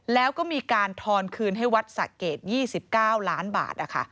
แล้วก็มีการทอนคืนให้วัดสะเกด๒๙ล้านบาท